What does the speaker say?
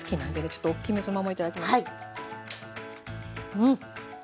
うん！